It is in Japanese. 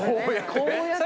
こうやって？